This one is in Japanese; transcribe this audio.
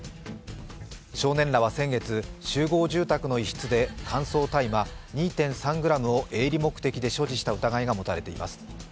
少年らは先月、集合住宅の一室で乾燥大麻２．３ｇを営利目的で所持した疑いが持たれています。